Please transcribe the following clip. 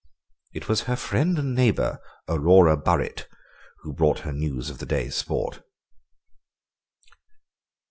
It was her friend and neighbour, Aurora Burret, who brought her news of the day's sport.